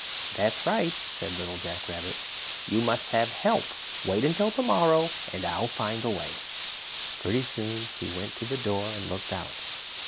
"That's right," said Little Jack Rabbit. "You must have help. Wait until tomorrow and I'll find a way." Pretty soon he went to the door and looked out.